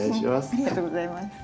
ありがとうございます。